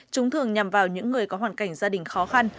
chúng thường nhằm vào những người có hoàn cảnh gia đình khó khăn